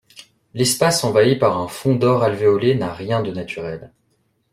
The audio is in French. L'espace, envahi par un fond d'or alvéolé, n'a rien de naturel.